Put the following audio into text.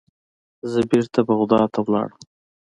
زه بیرته بغداد ته لاړم.